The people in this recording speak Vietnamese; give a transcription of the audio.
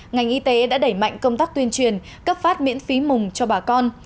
ngành y tế đã đẩy mạnh công tác tuyên truyền cấp phát miễn phí mùng cho bà con